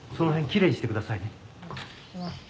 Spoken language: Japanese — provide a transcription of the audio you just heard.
きれいにしてくださいね。